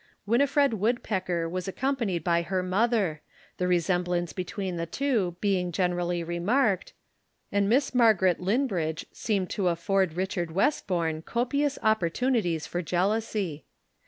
Winifred Woodpecker was accompanied by her mother, the resemblance between the two being generally remarked, and Miss Margaret Linbridge seemed to afford Richard Westbourne copious opportunities for jealousy.